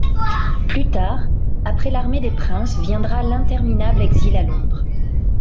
Plus tard, après l'armée des Princes viendra l'interminable exil à Londres.